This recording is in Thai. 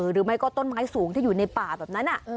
หรือไม่ก็ต้นไม้สูงที่อยู่ในป่าแบบนั้น